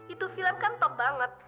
itu film kan top banget